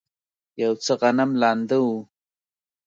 یو څه غنم لانده و.